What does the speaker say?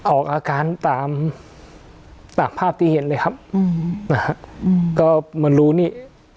ออกอาการตามภาพที่เห็นเลยครับก็มันรู้นี่